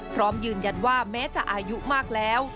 พร้อมยืนยันว่าแม้จะอายุมากแล้ว